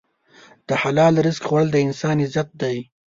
د حلال رزق خوړل د انسان عزت دی.